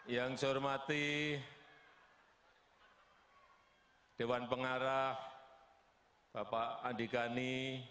yang saya hormati dewan pengarah bapak andi gani